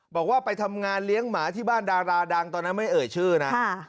บอกว่าไปทำงานเลี้ยงหมาที่บ้านดาราดังตอนนั้นไม่เอ่ยชื่อนะ